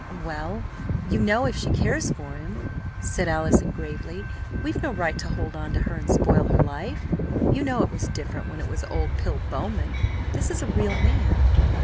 "Well, you know if she cares for him," said Allison gravely, "we've no right to hold on to her and spoil her life. You know it was different when it was old Pill Bowman. This is a real man."